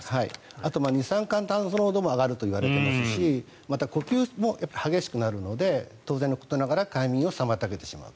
あと二酸化炭素濃度も上がるといわれていますしまた、呼吸も激しくなるので当然のことながら快眠を妨げてしまう。